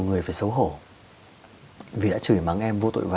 người phải xấu hổ vì đã chửi mắng em vô tội v